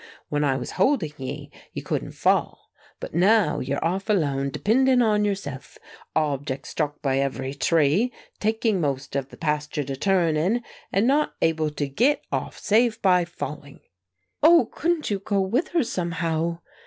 When I was holding ye you couldn't fall, but now you're off alone depindent on yourself, object struck by every tree, taking most of the pasture to turn in, and not able to git off save by falling " "Oh, couldn't you go with her somehow?"